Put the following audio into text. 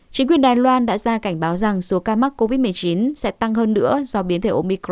chính quyền đài loan đã ra cảnh báo rằng số ca mắc covid một mươi chín sẽ tăng hơn nữa do biến thể omicron dễ lây nhiễm hơn